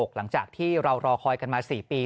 หลังจากที่เรารอคอยกันมา๔ปี